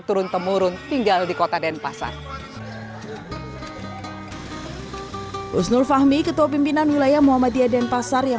turun temurun tinggal di kota denpasar husnul fahmi ketua pimpinan wilayah muhammadiyah denpasar yang